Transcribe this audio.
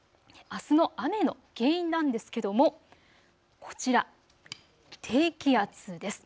あすの雨の原因なんですけどもこちら、低気圧です。